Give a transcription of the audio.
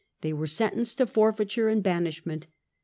They were sentenced to forfeiture and banishment.